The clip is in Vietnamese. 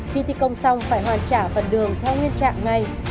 khi thi công xong phải hoàn trả phần đường theo nguyên trạng ngay